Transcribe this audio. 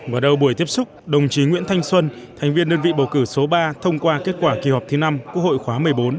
mở đầu buổi tiếp xúc đồng chí nguyễn thanh xuân thành viên đơn vị bầu cử số ba thông qua kết quả kỳ họp thứ năm quốc hội khóa một mươi bốn